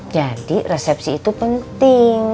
jadi resepsi itu penting